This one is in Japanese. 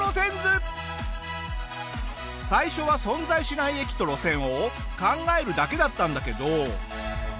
最初は存在しない駅と路線を考えるだけだったんだけど。